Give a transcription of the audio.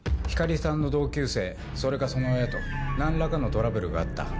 光莉さんの同級生それかその親と何らかのトラブルがあった？